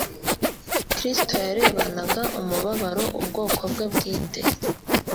Kristo yarebanaga umubabaro ubwoko bwe bwite,